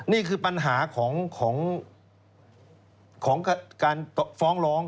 นี่คือปัญหาของการฟ้องร้อง